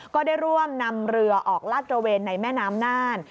ก็ได้ร่วมนำเรือออกลาดตระเวนในแม่น้ำน่าน